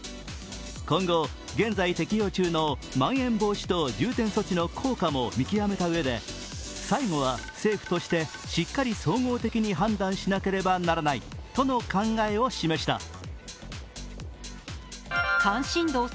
今後、現在適用中のまん延防止等重点措置の効果も見極めたうえで最後は政府としてしっかり総合的に判断しなければならないとの考えを示した。